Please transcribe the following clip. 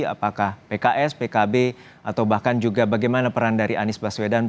apakah pks pkb atau bahkan juga bagaimana peran dari anies baswedan